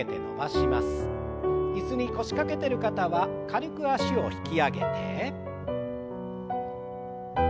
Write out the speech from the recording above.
椅子に腰掛けてる方は軽く脚を引き上げて。